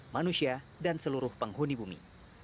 manusia dan seluruh penghuni bumi